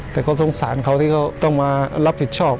แต่เขาสงสารเขาที่เขาต้องมารับผิดชอบ